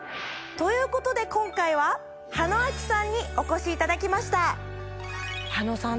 ということで今回は羽野晶紀さんにお越しいただきました！